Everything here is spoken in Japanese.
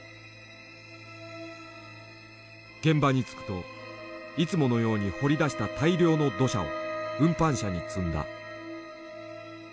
現場に着くといつものように掘り出した大量の土砂を運搬車に積んだ。